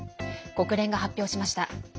国連が発表しました。